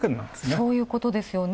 そういうことですよね。